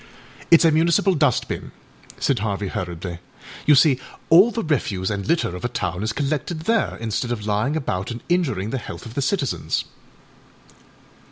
â âItâs a municipal dust bin,â said Harvey hurriedly; âyou see all the refuse and litter of a town is collected there, instead of lying about and injuring the health of the citizens.